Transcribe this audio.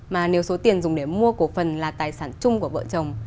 mà nếu số tiền dùng để mua cổ phần là tài sản chung của vợ chồng